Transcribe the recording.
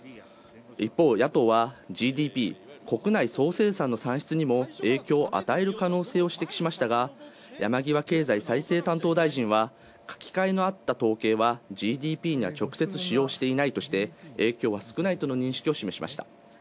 一方野党はＧＤＰ＝国内総生産の算出にも影響を与える可能性を指摘しましたが山際経済再生担当大臣は、書きかえのあった統計はＧＤＰには直接影響が少ないとの認識を示しました。